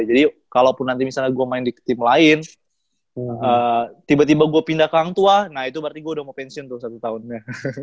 jadi kalau pun nanti misalnya gue main di tim lain tiba tiba gue pindah ke hangtoa nah itu berarti gue udah mau pensiun tuh satu tahunnya